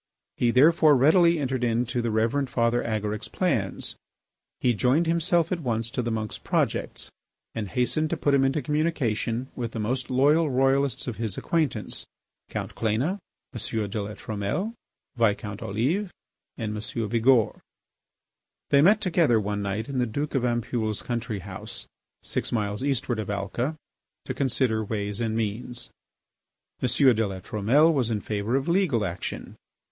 He therefore readily entered into the Reverend Father Agaric's plans. He joined himself at once to the monk's projects, and hastened to put him into communication with the most loyal Royalists of his acquaintance, Count Cléna, M. de La Trumelle, Viscount Olive, and M. Bigourd. They met together one night in the Duke of Ampoule's country house, six miles eastward of Alca, to consider ways and means. M. de La Trumelle was in favour of legal action.